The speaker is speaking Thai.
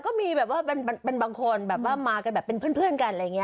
ก็มีแบบว่าเป็นบางคนมากันแบบเป็นเพื่อนกัน